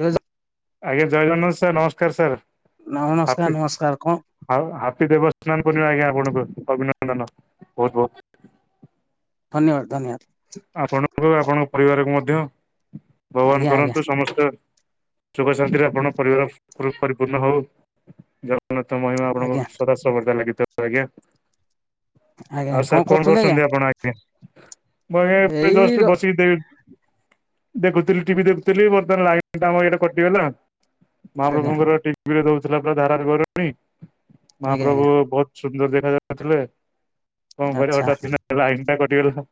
ଜୟ ଜ ଆଜ୍ଞା ଜୟ ଜଗନ ସାର୍ ନମସ୍କାର ସାର୍। ନମସ୍କାର ହାପି ନମସ୍କାର କଣ ଆଉ ହାପି ଦେବସ୍ନାନ ପୁର୍ଣିମା ଆଜ୍ଞା ଆପଣଙ୍କୁ ଅଭିନନ୍ଦନ ବହୁତ ବହୁତ। ଧନ୍ୟବାଦ ଧନ୍ୟବାଦ। ଆପଣଙ୍କୁ ଆପଣଙ୍କ ପରିବାରକୁ ମଧ୍ୟ ଭଗବାନ ଆଜ୍ଞା ଆଜ୍ଞା କରନ୍ତୁ ସମସ୍ତେ ସୁଖ ଶାନ୍ତିରେ ଆପଣଙ୍କ ପରିବାର ପରି ପରିପୂର୍ଣ୍ଣ ହଉ। ଜଗନ୍ନାଥ ମହିମା ଆପଣଙ୍କ ଆଜ୍ଞା ସଦା ସର୍ବଦା ଲାଗି ଥାଉ ଆଜ୍ଞା। ଆଉ ସାର୍ କଣ କରୁଛନ୍ତି ଆପଣ ଆଜ୍ଞା? ମେ ଆଜ୍ଞା ଏବେ ଏଇ ର ଜଷ୍ଟ ବସି ଦେ ଦେଖୁଥିଲି ଟିଭି ଦେଖୁଥିଲି। ବର୍ତ୍ତମାନ ଲାଇନ ଟା ଆମ ଇଆଡେ କଟିଗଲା। ଆଜ୍ଞା ମହାପ୍ରଭୁଙ୍କର ଟିଭିରେ ଦଉଥିଲା ପରା ଧାରା ବିବରଣୀ। ଆଜ୍ଞା ମହାପ୍ରଭୁ ଆଜ୍ଞା ବହୁତ ସୁନ୍ଦର ଦେଖା ଯାଉଥିଲେ। କଣ କରିବା ଆଚ୍ଛା ହଠାତ [unintelligible] ଲାଇନ୍ ଟା କଟିଗଲା।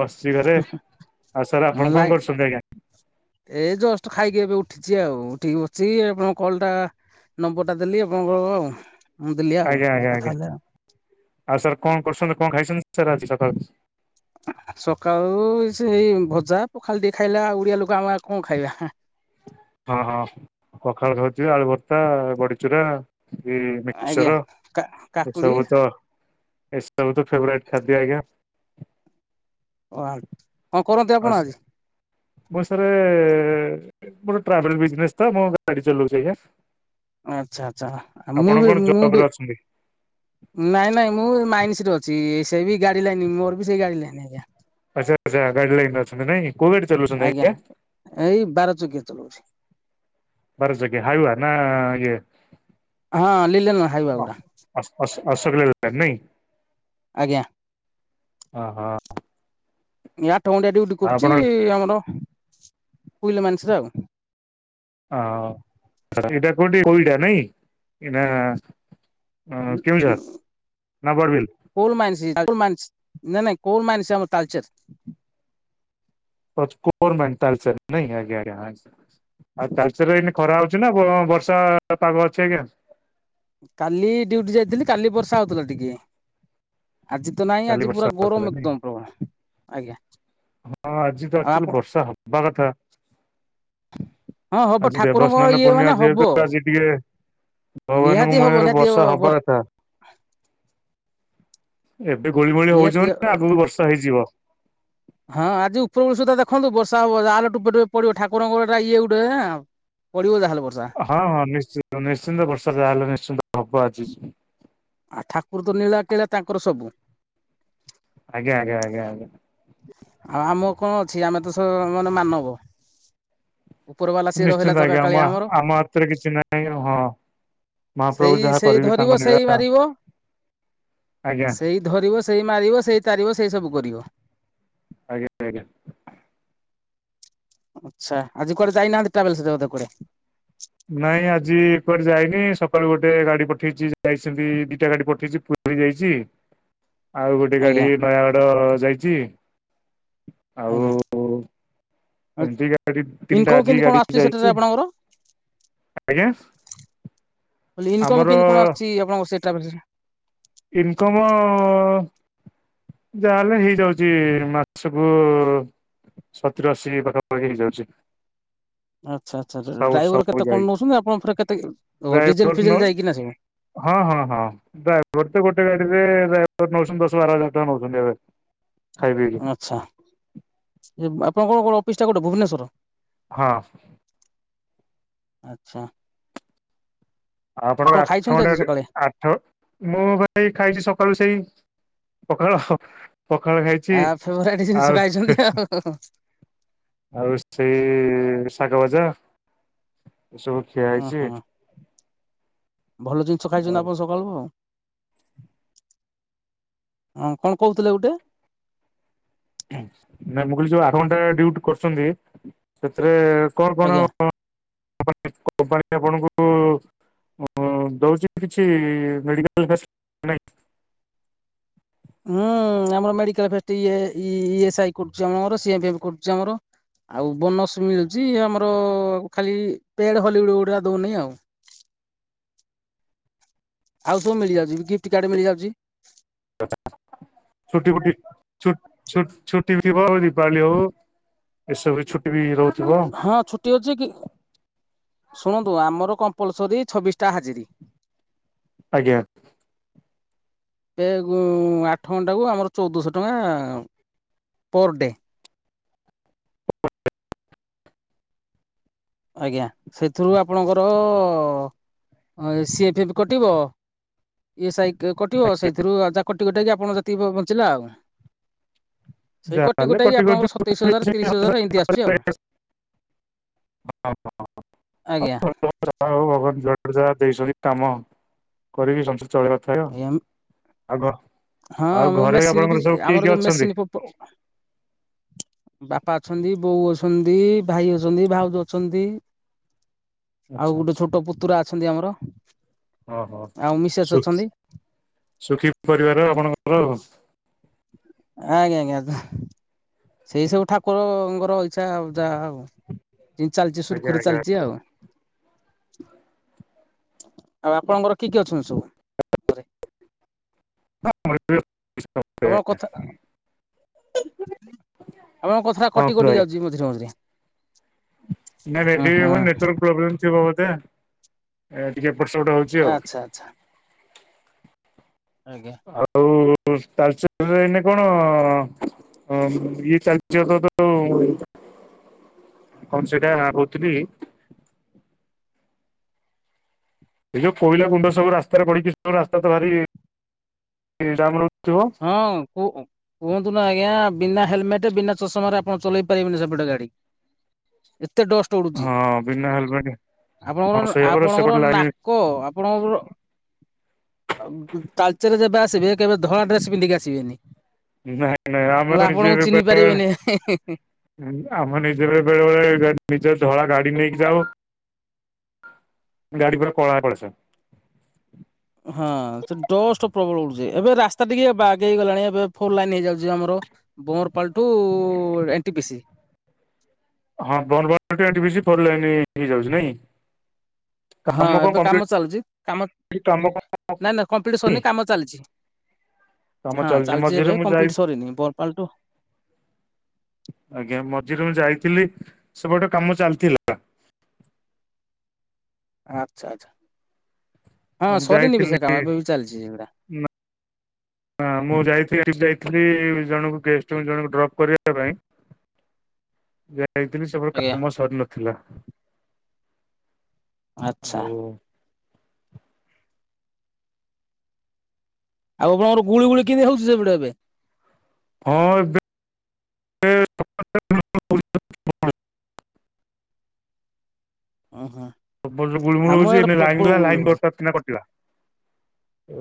ବସଛି ଘରେ। ଆଉ ସାର୍ ଆପଣ କଣ କରୁଛନ୍ତି ଆଜ୍ଞା? ଏ ଜଷ୍ଟ ଖାଇକି ଏବେ ଉଠିଛି ଆଉ। ଉଠିକି ବସିଛି ଆପଣଙ୍କ କଲ ଟା ନମ୍ବରଟା ଦେଲି ଆପଣଙ୍କର ଆଉ। ମୁଁ ଦେଲି ଆଉ ଆଜ୍ଞା ଆଜ୍ଞା କଥା ଆଜ୍ଞା। ହେଲେ ଆଉ। ଆଉ ସାର୍ କଣ କରୁଛନ୍ତି କଣ ଖାଇଛନ୍ତି ସାର୍ ଆଜି ସକାଳେ? ସକାଳୁ ସେଇ ଭଜା ପଖାଳ ଟିକେ ଖାଇଲା ଆଉ ଓଡିଆ ଲୋକ ଆମେ ଆଉ କଣ ଖାଇବାଁ? ହଁ ହଁ ପଖାଳ ଖାଉଛିବା ଆଳୁ ଭର୍ତ୍ତା ବଡିଚୁରା। [unintelligible] ଆଜ୍ଞା। ମିକ୍ସର କା କାକୁଡି ଏସବୁ ତ ଏ ସବୁ ତ ଫେବରାଇଟ୍ ଖାଦ୍ୟ ଆଜ୍ଞା। କଣ କରନ୍ତି ଆଉ ଆପଣ ସ- ଆଜି? ମୁଁ ସାରେ ମୋର ଟ୍ରାଭେଲ ବିଜନେସ୍ ତ ମୁଁ ଗାଡି ଚଲଉଛି ଆଜ୍ଞା। ଆଛା ଆଚ୍ଛା ମୁଁ ଆପଣ ବି କଣ ମୁଁ ଜବ ରେ ବି ଅଛନ୍ତି? ନାଇଁ ନାଇଁ ମୁଁ ମାଇନ୍ସିରେ ଅଛି। ସେ ବି ଗାଡି ଲାଇନି ମୋର ବି ସେଇ ଗାଡି ଲାଇନି ଆଜ୍ଞା। ଆଚ୍ଛା [unintelligible] ରେ ଅଛନ୍ତି। ନାଇଁକି କୋଉ ଗାଡ଼ି ଚଲଉଚନ୍ତି ଆଜ୍ଞା। ଏଇ ବାର ଚକିଆ ଚଲଉଛି। ବାର ଚକିଆ ହାଇବା ନାଁ ଇଏ ହଁ ଲିଲନ ନୁହେ ହାଇବା ଉଡା। ଅସ ଅସ [unintelligible] ନାଇଁ ଆଜ୍ଞା ଓ ହୋ ୟା ଆଠ ଘଣ୍ଟିଆ ଡିଉଟି କରୁଛି। ଆମର କୁଇଲା ମାଇନ୍ସରେ ଆଉ। ହଁ ଏଇଟା କୋଉଠି ହୁଇଡା ନାଇଁ ଏଟା ନା ବଡ଼ବିଲ? [inaudible] କୁଲ୍ ମାଇନ୍ସ୍ [unintelligible] ମାଇନ୍ସ୍ ନାଇଁ ନାଇଁ କୁଲ୍ ମାଇନ୍ସ୍ ଆମର ତାଳଚେର। କୁପର [unintelligible] ତାଲଚେର୍ ନାଇଁ ଆଜ୍ଞା ଆଜ୍ଞା ହା ଆଉ ତାଲଚେର ରେ ଏଇନା ଖରା ହେଉଛି ନା? ବ ବର୍ଷା ପାଗ ଅଛି ଆଜ୍ଞା। କାଲି ଡ୍ୟୁଟି ଯାଇଥିଲି କାଲି ବର୍ଷା ହଉଥିଲା ଟିକେ ଆଜି ତ ନାହିଁ କାଲି ଆଜି ବର୍ଷା ପୁରା ହଉଥିଲା ଗୋରୋମ ନାଇଁ ଏକଦମ୍ ପ୍ରବଳ। ଆଜ୍ଞା। ହଁ ଆଜି ତ ଆଉ ଆକ୍ଚୁଲି ଆପଣ ବର୍ଷା ହବା କଥା। ହଁ ହବ ଆଜି ଠାକୁରଙ୍କ ଦେବସ୍ନାନ ଇଏ ମାନେ ପୂର୍ଣ୍ଣିମା ହବ। ଯେହେତୁ ଆଜି ଟିକେ ନିହାତି ଭଗବାନଙ୍କ ହବ ମୟାରୁ ନିହାତି ବର୍ଷା ହବ ହବା କଥା। ଏବେ ଗୋଳିମୋଳି ହୋଉଛି ନିହାତି ମାନେ ଆଗକୁ ବର୍ଷା ହେଇଯିବ। ହଁ ଆଜି ଉପରବୋଳି ସୁଧା ଦେଖନ୍ତୁ ବର୍ଷା ହବ। ଯାହା ହେଲେ ବି ଟୋପେ ଟୋପେ ପଡିବ ଠାକୁରଙ୍କର ସେଟା ଇଏ ଗୋଟେ ନାଁ ପଡ଼ିବ ଯାହାହେଲେ ବର୍ଷା। ହଁ ହଁ ନିଶ୍ଚିତ ନିଶ୍ଚିନ୍ତ ବର୍ଷା ଯାହା ହେଲେ ନିଶ୍ଚିନ୍ତ ହବ ଆଜି। ଆ ଠାକୁରତ ନୀଳା କିଳା ତାଙ୍କର ସବୁ। ଆଜ୍ଞା ଆଜ୍ଞା ଆଜ୍ଞା ହଁ ଆମର କଣ ଅଛି ଆମେ ତ ସବୁ ମାନେ ମାନବ। ଉପର ବାଲା ସିଏ ରହିଲା ନିଶ୍ଚିନ୍ତ ଜଗା ଆଜ୍ଞା କାଳିଆ ମା ଆମର ଆମ ହାତରେ କିଛି ନାହିଁ। ହଁ ମହାପ୍ରଭୁ ସେଇ ଯାହା ସେଇ କରିବେ ତାଙ୍କ ଧରିବ ନୀଳା ସେଇ ମାରିବ ଆଜ୍ଞା ସେଇ ଧରିବ ସେଇ ମାରିବ ସେଇ ତାରିବ ସେଇ ସବୁ କରିବ। ଆଜ୍ଞା ଆଜ୍ଞା। ଆଛା ଆଜି କୁଆଡେ ଯାଇନାହାନ୍ତି ଟ୍ରାଭେଲସ ସହିଦ କୁଆଡ଼େ? ନାଇଁ ଆଜି କୁଆଡେ ଯାଇନି ସକାଳୁ ଗୋଟେ ଗାଡି ପଠେଇଚି ଯାଇଚନ୍ତି ଦିଟା ଗାଡି ପଠେଇଚି ପୁରୀ ଯାଇଚି। ଆଉ ଗୋଟେ ଗାଡି ଆଜ୍ଞା ନୟାଗଡ ଯାଇଚି। ଆଜ୍ଞା, ଆତ୍, ଏମିତି ଗାଡି ତିନିଟା ଇନକମ୍ ଆଜି କେମିତି ଗାଡି କଣ ଆସୁଛି ଯାଇଛି ସେଠାରେ ଆପଣଙ୍କର? ଆଜ୍ଞା ଲିନକମ ଆମର କେମିତି କଣ ଆସୁଚି ଆପଣଙ୍କ ସେ ଟ୍ରାଭେଲଶ୍ ରେ? ଇନକମ ଯାହାହେଲେ ହେଇଯାଉଚି ମାସ କୁ ସତୁରୀ ଅଶୀ ପାଖାପାଖି ହେଇଯାଉଛି। ଆଛା ଆଛା ଯ ସବୁ ଡ୍ରାଇଭର ସବୁ କେତେ କଣ ଯାଇ ନଉଚନ୍ତି ଆପଣ ଫେରେ କେତେ ଓ ଡ୍ରାଇଭର ଡିଜେଲ ନ ଫିଜେଲ ଯାଇକିନା ସବୁ। ହଁ ହଁ ହଁ ଡ୍ରାଇ ଗୋଟେ ଗୋଟେ ଗାଡ଼ି ରେ ଡ୍ରାଇଭର ନଉଚନ୍ତି ଦଶ ବାର ହଜାର ଟଙ୍କା ନଉଚନ୍ତି ଏବେ। ଖାଇ ପିଇକି ଆଛା ଏ ଆପଙ୍କ କଣ ଅଫିସଟା କୋଉଠି ଭୁବନେଶ୍ୱର। ହଁ। ଆଛା। ଆପଣଙ୍କ ଆଠ ଘଣ୍ଟା ଡ୍ୟୁଟି ଆ ଠ ମୁଁ ଭାଇ ଖାଇଚି ସକାଳୁ ସେଇ ପଖାଳ। ପଖାଳ ଖାଇଚି ଆଉ ଅ ହ। ଆଉ ସେ ଶାଗ ଭଜା ଏସବୁ ଖିଆ ହେଇଚି। ଓହୋ ଭଲ ଜିନଷ ଖାଇଚନ୍ତି ଆଉ ଆପଣ ସ କଇବ ଅ କଣ କହୁଥିଲେ ଗୁଟେ? ନା ମୁଁ କହିଲି ଯୋଉ ଆଠ ଘଣ୍ଟା ଡ୍ୟୁଟି କରୁଚନ୍ତି ସେଥିରେ କଣ କଣ ଆଜ୍ଞା [inaudible] କମ୍ପାନୀ ଆପଣଙ୍କୁ ହଁ ଦଉଚି କିଛି ମେଡ଼ିକାଲ ଫାଶ୍ ମୁଁ ଆମର ମେଡିକାଲ ଫାଷ୍ଟି ଇଏ ଇ ଏସ ଆଇ କରୁଚି ଆମର ସି ଏଫ୍ ଏଫ୍ କରୁଚି ଆମର। ଆଉ ବୋନସ ମିଳିଚି ଆମର ଖାଲି ପେଡ ହଲିଉଡ଼ଡୁ ରା ଦଉନି ଆଉ। ଆଉ ସବୁ ମିଳିଯାଉଚି ଗିଫ୍ଟ କାର୍ଡ ମିଳିଯାଉଚି। ଛୁଟିଫୁଟି ଛୁ ଛୁ ଛୁଟି ଥିବ ଦୀପାବଳି ହୋଉ। ଏସବୁ ଛୁଟି ବି ରହୁଥିବ। ଟିଅଛି କି? ଶୁଣନ୍ତୁ ଆମର କମ୍ପଲସରୀ ଛବିଶଟା ହାଜିରୀ। ଆଜ୍ଞା। ଏ ଉ ଆଠ ଘଣ୍ଟାକୁ ଆମର ଚଉଦଶହ ଟଙ୍କା ପର ଡେ। ଆଜ୍ଞା ସେଥିରୁ ଆପଣଙ୍କର ଏସି ଏଫ୍ ଏଫ୍ ବି କଟିବ। ଇ ଏ ସାଇ କେ କଟିବ ସେଇଥିରୁ ଆ, ଯା କଟି କୁଟାକି ଆପଣ ଯେତିକି ବ-ବଞ୍ଚିଲା ଆଉ। ସେଇ ଯାହାହେଲେ କଟିକୁଟାଇକି କଟି କଟି ଆପଣଙ୍କର ସତେଇଶ ହଜାର ତିରିଶ ହଜାର ଏମତି ଆସୁଚି ଆଉ। ହ [inaudible] ଆଜ୍ଞା। ଭଗବାନ ଯାହାହଉ ଭଗବାନ ଯୁଆଡୁ ଯାହା ଦେଇଚନ୍ତି କାମ କରିକି ସମସ୍ତେ ଚଳେଇବା। ଆଜ୍ଞା [unintelligible] ଆଉ ଘ- ହଁ ଆଉ ମୁଁ ଘରେ ମେସିନ୍ ବି ଆପଣଙ୍କର ସବୁ କିଏ ଆମର କିଏ ଯୋଉ ମେସିନ୍ ଅଛନ୍ତି? ବାପା ଅଛନ୍ତି, ବୋଉ ଅଛନ୍ତି, ଭାଇ ଅଛନ୍ତି, ଭାଉଜ ଅଛନ୍ତି। ଆଉ ଆଚ୍ଛା ଗୋଟେ ଆଚ୍ଛା ଛୋଟ ପୁତୁରା ଅଛନ୍ତି ଆମର ଓହୋ ଆଉ ସୁ ମିସେସ୍ ଅଛନ୍ତି। ସୁଖୀ ପରିବାର ଆପଣଙ୍କର। ଆଜ୍ଞା ଆଜ୍ଞା ସେଇ ସବୁ ଠାକୁର ଙ୍କର ଇଛା ଯାହା ହବ ଯିମତି ଚାଲିଚି ଆଜ୍ଞା ସୁରୁଖୁରୁ ରେ ଆଜ୍ଞା। ଚାଲଚି ଆଉ। ଆଉ ଆପଣଙ୍କର କି କିଏ ଅଛନ୍ତି ସବୁ? ଘରେ ଆପଣ କଥା [unintelligible] ଆପଣଙ୍କ କଥା ଟା କଟି କଟି ଯାଉଛି ମଝିରେ ମଝିରେ ନା [unintelligible] ଉଁ ହୁଁ ନେଟୱର୍କ ପ୍ରୋବଲେମ୍ ଥିବ ବୋଧେ ଆଁ ଟିକେ ଏପଟ ସେପଟ ହଉଛ ଆଚ୍ଛା ଆଚ୍ଛା ଆଜ୍ଞା ଆଉ ତାଳଚେର [unintelligible] କଣ? ହଁ ଇଏ [unintelligible] କନ ସେଇଟା କହୁଥିଲି ଏ ଯୋଉ କୋଇଲା ଗୁଣ୍ଡ ସବୁ ରାସ୍ତାରେ ପଡ଼ଛିି ସବୁ ରାସ୍ତା ତ ଭାରି ଜାମ ରହୁଥିବ? ହଁ କୁଉ କୁହନ୍ତୁ ନା ଆଜ୍ଞା ବିନା ହେଲମେଟ ବିନା ଚଷମାରେ ଆପଣ ଚଳେଇ ପାରିବେନି ସେପଟେ ଗାଡି। ଏତେ ଡଷ୍ଟ ଉଡୁଚି ହଁ ବିନା ହେଲମେଟ ହଁ ଆପଣଙ୍କର ସେଇଆ ପରା ସେ ଆପଣଙ୍କର ଗୋଟେ ଲାଇନ ନାକ ଆପଣଙ୍କର ଆଉ ଉ ଚାଲ ଚାଲି ଯେବେ ଆସିବେ କେବେ ଧଳା ଡ୍ରେସ୍ ପିନ୍ଧିକି ଆସିବେନି ନାଇଁ ନାଇଁ ଆମେ ତ ନହେଲେ ଆପଣଙ୍କୁ ଚିହ୍ନି ପାରିବେନି ହେ ହେ ହେ। ଉ ଆମ ନିଜେ ବେଳେବଳେ ବେଳେବେଳେ ନିଜେ ଧଳା ଗାଡି ନେଇକି ଯାଉ। ଗାଡି ପୁରା କଳା କରଛ। ହଁ ସେ ଡଷ୍ଟ ପ୍ରବଳ ଉଡୁଚି ଏବେ ରାସ୍ତା ଟିକିଏ ବାଗେଇ ଗଲାଣି ଏବେ ଫୋର ଲାଇନ ହେଇଯାଉଚି ଆମର। ବୋରପାଲି ଠୁ ଏନ୍ ଟି ପି ସି। ହଁ ବନ୍ଦବାନ୍ଦ ଏନ୍ ଟି ପି ସି ପଡଲାଣି ହେଇଯାଉଚି ନାଇଁ? ହଁ କାମ କଣ ଏବେ କାମ କମ୍ପ୍ଲିଟ ଚାଲଚି କାମ କାମ କଣ ନାଇଁ ନାଇଁ କମ୍ପ୍ଲିଟ୍ ହେଇନି? ସରନି କାମ ଚାଲଚି। କାମ ହଁ ଚାଲିଛି ଚାଲଚି ମଝିରେ ଏବେ ମୁଁ ଯାଇ କମ୍ପ୍ଲିଟ୍ ସରିନି ବରପାଲୀ ଠୁ ଆଜ୍ଞା ମଝିରେ ମୁଁ ଯାଇଥିଲି ସେପଟେ କାମ ଚାଲିଥିଲା। ଆଚ୍ଛା ଆଚ୍ଛା ହଁ ମୁଁ ସରିନି ବି ସେ ଯାଇଥିଲି କାମ ଏବେ ବି ଚାଲିଚି ସେଗୁଡା। ହଁ ମୁଁ ଯାଇଥିଲି ଏଠିକି ଯାଇଥିଲି ଜଣଙ୍କୁ ଗେଷ୍ଟଙ୍କୁ ଜଣଙ୍କୁ ଡ୍ରପ୍ କରିବା ପାଇଁ ଯାଇଥିଲି ସେପଟେ ଆଜ୍ଞା। କାମ ସରିନଥିଲା। ଆଛା। ଆଉ ଆପଣଙ୍କର ଗୁଳୁଗୁଳି କେମିତିଆ ହୋଉଚି ସେପଟେ ଏବେ? ହଁ ଏବେ [inaudible] ପ୍ରବଳ ଓହାଁ। ପ୍ରବଳର ଗୁଳୁମୁଳୁ ହୋଉଚି ଏଇନା ଲାଇନ ଥିଲା ଲାଇନ ହଠାତ କିନା କଟିଲା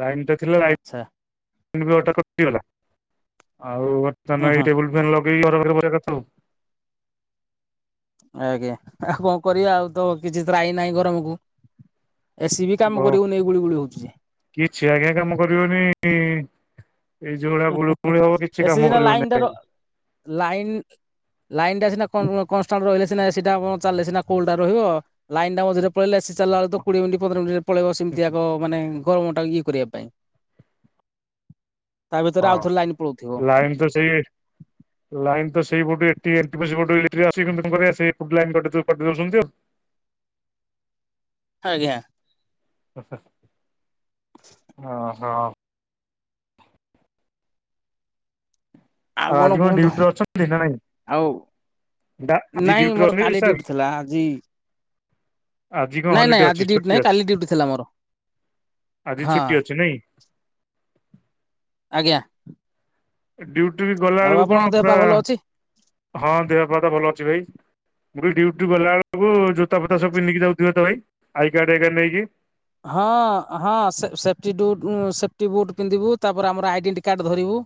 ଲାଇନଟା ଥିଲା ଆଚ୍ଛା ଲାଇନ ବି ହଠାତ କଚିଗଲା ଆଉ ଉଁ ବର୍ତ୍ତମାନ ଏଇ ହୁଁ ଟେବୁଲ ଫ୍ୟାନ୍ ଲଗେଇ ଘର [unintelligible] କଥା ଆଉ ଆଜ୍ଞା ଆଉ କଣ କରିବା ଆଉ ତ କିଛି ତ୍ରାହି ନାହିଁ ଗରମକୁ। ଏ ସି ବି କାମ କରିବନେଇ ଏଇ ଗୁଳି ଗୁଳି ହୋଉଚି ଯେ। କିଛି ଆଜ୍ଞା କାମ କରିବନି। ଏଇ ଯୋଉଭଳିଆ ଗଳୁ ଗୁଳି ହବ କିଛି କାମ କରିବନି ଆଗେ। ଲାଇନ୍ ଲାଇନଟା ସିନା କନ୍-କନଷ୍ଟାଣ୍ଟ ରହିଲେ ସିନା ଏ ସି ଟା ଚାଲଲେ ସିନା କୁଲଟା ରହିବ। ଲାଇନଟା ମଝିରେ ପଳେଇଲେ ଏସି ଚାଲଲା ବେଳକୁ ତ କୋଡିଏ ମିନଟି ପନ୍ଦର ମିନଟିରେ ପଳେଇବ ସେମତି ଆଗ ମାନେ ଗରମଟା ଇଏ କରିବା ପାଇଁ। ତା ଭିତରେ ହଁ ଆଉଥରେ ଲାଇନ ପଳଉଥିବ। ଲାଇନ୍ ତ ସେଇ ଲାଇନ୍ ତ ସେଇପଟୁ ଏ ଟି ଏଲ୍ ଟି ପା ସେପଟୁ ଇଲେକ୍ଟ୍ରି ଆସିକି କେମତି କଣ କରିବା ସେଇ ଏପଟ ଲାଇନ କାଟିଦୋଉ କାଟିଦୋଉଛନ୍ତି ଆଉ। ଆଜ୍ଞା। ଅହ। ଆଉ କଣ ଆଜି କୁହନ୍ତୁ ଡ୍ୟୁଟିରେ ଅଛନ୍ତି ନା ନାଇଁ? ଆଉ ଆଜି ନାଇଁ ଡ୍ୟୁଟିରେ ମୋର ଅଛନ୍ତି କାଲି ସାର୍ ଡ୍ୟୁଟି ଥିଲା ଆଜି ଆଜି କଣ ନାଇଁ ନାଇଁ ହଲିଡେ ଅଛି ଆଜି ଡ୍ୟୁଟି ଛୁଟି ନାହିଁ ଅଛି କାଲି ଡ୍ୟୁଟି ଥିଲା ମୋର ଆଜି ହଁ। ଛୁଟି ଅଛି ନାଇଁ? ଆଗିଆଁ। ଏ ଡ୍ୟୁଟି ବି ଗଲା ବେଳକୁ ଆପଣଙ୍କ କଣ ଦେହ ପୁରା ପା ଭଲ ଅଛି? ହଁ ଦେହପାଆ ତ ଭଲଅଛି ଭାଇ ମୁଁ କହିଲି ଡ୍ୟୁଟିରୁ ଗଲାବେଳକୁ ଯୋ ତା ଫୋତା ସବୁି ଆଚ୍ଛା। ପିନ୍ଧିକି ଯଉଥିବେ ତ ଭାଇ ଆଇ କାର୍ଡ ହେକା ନେଇକି? ହଁ ହଁ ସେ ସେ-ସେଫ୍ଟି ଡୁଟ୍ ଉଁ ସେଫ୍ଟି ବୁଟ୍ ପିନ୍ଧିବୁ ତାପରେ ଆମର ଆଇଡେଣ୍ଟି କାର୍ଡ଼ ଧରିବୁ।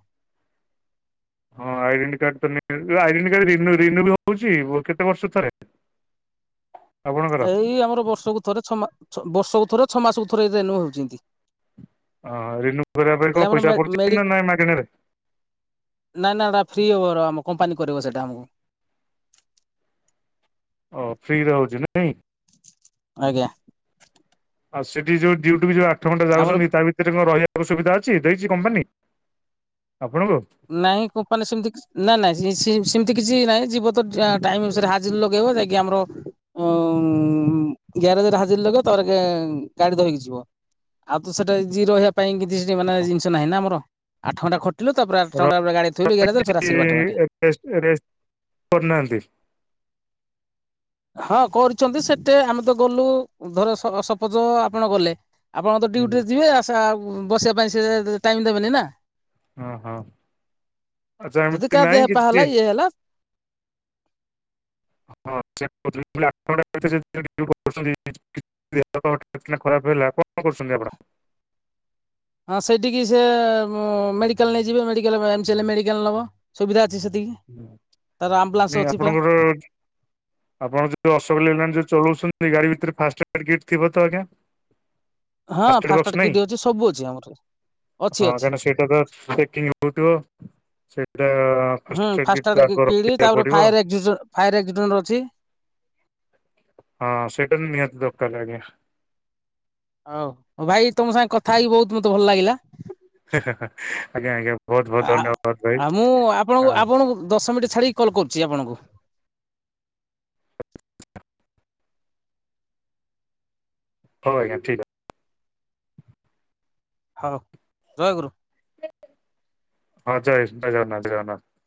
ହଁ ଆଇଡିଣ୍ଟି କାର୍ଡ଼ ତ ନି ଆଇଡେଣ୍ଟି କାର୍ଡ ରିନୁ ରିନୁ ବି ହୋଉଛି ବ କେତେ ବର୍ଷରେ ଥରେ? ହ ଏଇ ଆମର ବର୍ଷକୁ ଥରେ ଛଅ ମା ଛ ବର୍ଷକୁ ଥରେ ଛଅ ମାସକୁ ଥରେ ରୁନ ହେଉଚନ୍ତି। ଓହଁ ରିନୁ କରିବା ପାଇଁ କଣ ପଇସା ମେଡି ପଡୁଚି ନା ନାଇଁ ମାଗଣାରେ? ନା ନା ଏଟା ଫ୍ରି ହବ ହେରା ଆମ କମ୍ପାନୀ କରିବ ସେଟା ଆମକୁ। ଓ ଫ୍ରିରେ ହୋଉଚି ନାଇଁ। ଆଜ୍ଞା। ଆଉ ସେଠି ଯୋଉ ଡୁଟି ବି ଯଉ ଆ ଘଣ୍ା ଆମର ଯାଉଛନ୍ତି ତା ଭିତରେ କଣ ରହିବିବା ସବୁ ସୁବିଧା ଅଛି ଦେଇଛି କମ୍ପାନୀ ଆପଣଙ୍କୁ ନାଇଁ କମ୍ପାନୀ ସେମିତି କି ନାଇଁ ନାଇଁ ସେମିତି କିଛି ନାଇଁ ଯିବ ତ ଟାଇରେ ହାଜର ଲଗେଇବ ଯାଇକି ଆମର ଉ ଗ୍ୟାରେଜରେ ହାଜିର ଲଗ ତୋର ଗାଡି ଧରକି ଯିବ ଆଉ ତ ସେଟା ଯିଏ ରହିବା ପାଇଁ କିଛି ସେଠ ମାନେ ଜିନିଷ ନାହିଁ ନା ଆମର ଆଠ ଘଣ୍ଟା ଖଟିଲୁ ର ତାପରେ ଗା ଥିଲି କିଛି ଫେ ଆସୁ ବାଟ ବାଟେ ରେଷ୍ଟ ରେଷ୍ଟ କରୁନାହାନ୍ତି ହଁ କରିଛନ୍ତି ସେଟେ ଆମେ ତ ଗଲୁ ଧରସପୋଜ ଆପଣ ଗଲେ ଆପଣ ତ ହୁଁ, ଡ୍ୟୁଟିରେ ଯିବେ ଆସ ବସିବା ପାଇଁ ସେ ଟାଇମ୍ ଦେବେନି ନା ହଁ ହଁ ଆଚ୍ଛା ଯଦି ଏମିତି କା ନାଇଁ ଦେହ ପା କିଛି ହେଲା ଇଏ ହେଲା ହଁ ସେ ଦେହ ହଠାତ୍ ଖରାପ ହେଲା କଣ କରୁଛନ୍ତି ଆପଣ ହଁ ସେଇଠିକି ସେ ମେଡ଼ିକାଲ ନେଇଯିବେ ମେଡ଼ିକାଲ ଏମମ୍ଚ ହେଲେ ମେଡ଼ିକାଲ ନେବ ସୁବିଧା ଅଛି ସେତିକି ହୁଁ ତାର ଆମ୍ବୁଲାନ୍ସ ନ ଅଛି ପୁରା ଆପଣ କେବେ ଆପଣ ଯୋଉ ଅସୋକ ଯୋଉ ଚଉଛନ୍ତି ଗାଡି ଭିତରେ ଫାଷ୍ଟ କିଟ ଥିବ ତ ଆଞା ଜ୍ ଏବଂ ହଁ ଫାଷ୍ଟା କି ଅଛି ସବୁ ଅଛି ଆମର ଅଛି ହଁ ଅଛି କାହିଁକିନା ସେଇଟା ତକି ହଉଥିବ ସେଇଟା ଫାଷ୍ଟଏଡ୍ କିଟ୍ ତ ଆଗ ଫାଷ୍ଟାର୍ଟ କିି ରଖିବାକୁ ତାପରେ ପଡିବ। ଫାୟାର୍କ୍ ଫାୟାର୍ ଏକ୍ସିଡେଣ୍ଟ ଅଛି ହଁ ସେଇଟାାନ ନିହାତି ଦୋକ ଲାଗୋ ହଉ ହଉ ଭାଇ ତମ ସାଙ୍ଗେ କଥା ହେଇକି ବହୁତ ମତେ ଭଲ ଲାଗିଲା ହୁଁ ଆଜ୍ଞା ଆଜ୍ଞା ବହୁତ ବହୁତ ଧନ୍ୟବାଦ ଭାଇ ଆ ମୁଁ ଆପଣଙ୍କୁ ଆପଣଙ୍କୁ ଦଶ ମିନିଟ୍ ଛାଡିକି କଲ୍ କରୁଛି ଆପଣଙ୍କୁ ହ ଆ୍ଞାଠିକ ହଉ ରହଗୁରୁ ହଁ ଜା ନଜରନା ଜଜଗନା